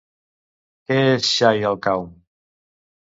Què és Xay al-Qawm?